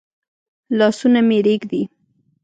لاسونه مي رېږدي ؟